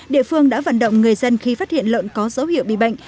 địa phương đã vận động người dân khi phát hiện lợn có dấu hiệu bị bệnh